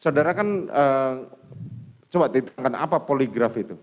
saudara kan coba titipkan apa poligraf itu